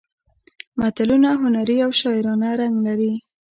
متلونه هنري او شاعرانه رنګ لري